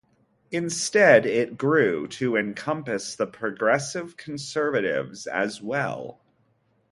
Instead, it grew to encompass the Progressive Conservatives as well.